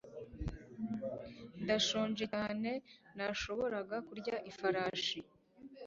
Ndashonje cyane, nashoboraga kurya ifarashi.